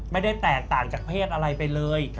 ไม่ได้แตกต่างจากเพศอะไรไปเลย